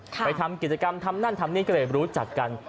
ไปทำกิจกรรมทำนั่นทำนี่ก็เลยรู้จักกัน